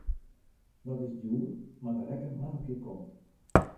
Dat is djoer, mar de rekken moat in kear komme.